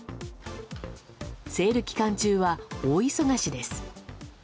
セール期間中は大忙しです。